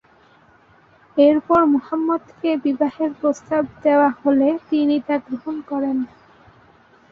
এরপর মুহাম্মদকে বিয়ের প্রস্তাব দেয়া হলে তিনি তা গ্রহণ করেন।